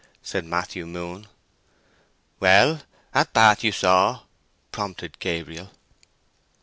said Matthew Moon. "Well, at Bath you saw—" prompted Gabriel.